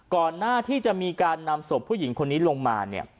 ก่อนหน้าที่จะมีการนำศพผู้หญิงคนนี้ลงมาเนี่ย